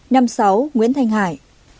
năm mươi sáu nguyễn thanh hải